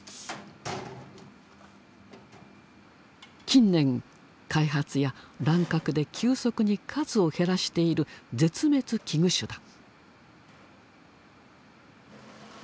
近年開発や乱獲で急速に数を減らしている絶滅危惧種だ。